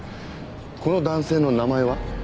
この男性の名前は？